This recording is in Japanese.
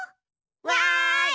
わい！